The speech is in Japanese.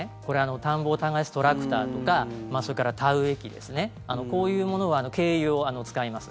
田んぼを耕すトラクターとかそれから田植え機ですねこういうものは軽油を使います。